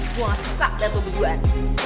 gue gak suka liat lo beguan